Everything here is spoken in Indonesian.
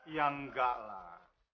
ya enggak lah